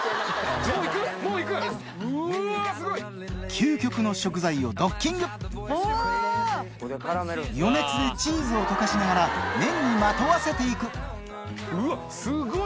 究極の食材をドッキング余熱でチーズを溶かしながら麺にまとわせて行くうわっすごい！